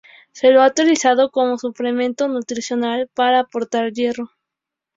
Se lo ha utilizado como suplemento nutricional para aportar hierro.